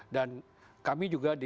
dan kami juga